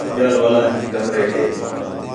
ٻِیال ولا ھیں کمرے ݙے